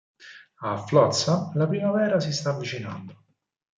A Flotsam la primavera si sta avvicinando.